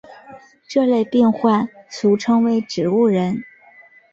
这类病患俗称为植物人。